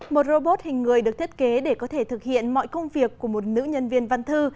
một robot hình người được thiết kế để có thể thực hiện mọi công việc của một nữ nhân viên văn thư